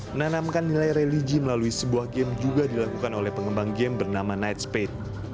menanamkan nilai religi melalui sebuah game juga dilakukan oleh pengembang game bernama night spade